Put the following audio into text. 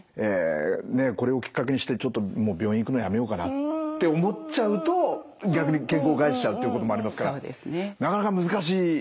これをきっかけにしてちょっと病院行くのやめようかなって思っちゃうと逆に健康を害しちゃうってこともありますからなかなか難しい。